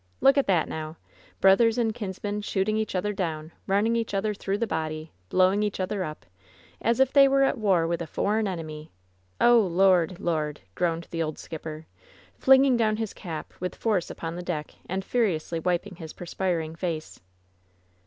Look at that, now! Brothers and kinsmen shoot ing each other down, running each other through the body, blowing each other up, as if they were at war 40 WHEN SHADOWS DIE with a foreign enemy I Oh, Lord ! Lord !" groaned the old skipper, flinging down his cap with force upon the deck, and furiously wiping his perspiring face.